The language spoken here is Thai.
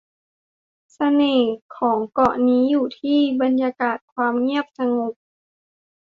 เสน่ห์ของเกาะนี้อยู่ที่บรรยากาศความเงียบสงบ